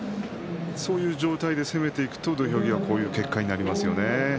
そういう状態で攻めていくと土俵際こういう結果になりますよね。